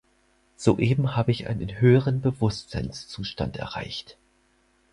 Soeben habe ich einen höheren Bewusstseinszustand erreicht!